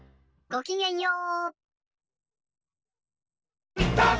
ごきげんよう！